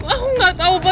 aku gak tau pak